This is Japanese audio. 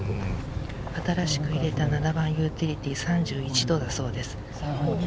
新しく入れた７番ユーティリティー、３１度だそうです。